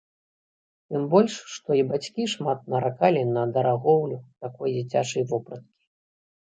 Тым больш, што і бацькі шмат наракалі на дарагоўлю такой дзіцячай вопраткі.